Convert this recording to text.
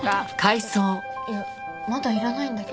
えっいやまだいらないんだけど。